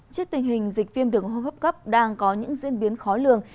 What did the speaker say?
trước tình hình dịch viêm đường hô hấp cấp đang có những diễn biến khó lường